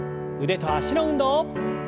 腕と脚の運動。